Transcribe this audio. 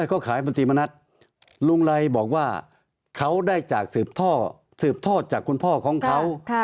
เขาขายบนตรีมณัฐลุงไรบอกว่าเขาได้จากสืบท่อสืบทอดจากคุณพ่อของเขา